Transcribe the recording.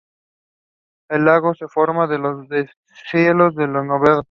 El lago se forma de los deshielos de los nevados.